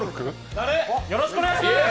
よろしくお願いします！